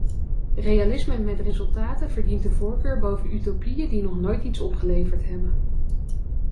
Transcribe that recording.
Realisme met resultaten verdient de voorkeur boven utopieën die nog nooit iets opgeleverd hebben.